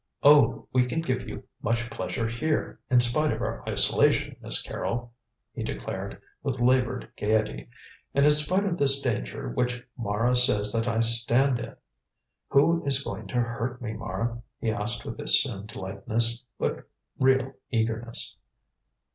"Oh, we can give you much pleasure here, in spite of our isolation, Miss Carrol," he declared, with laboured gaiety, "and in spite of this danger which Mara says that I stand in. Who is going to hurt me, Mara?" he asked with assumed lightness, but real eagerness.